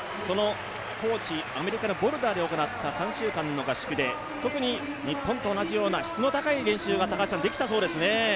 高地、アメリカのボルダーで行った３週間の合宿で特に日本と同じような質の高い練習ができたそうですね。